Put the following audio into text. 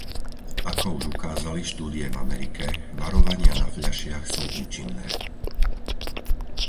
Ako už ukázali štúdie v Amerike, varovania na fľašiach sú účinné.